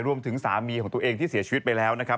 รวมถึงสามีของตัวเองที่เสียชีวิตไปแล้วนะครับ